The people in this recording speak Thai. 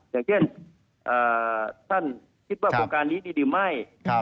อย่างเช่นท่านคิดว่าโครงการนี้ดีหรือไม่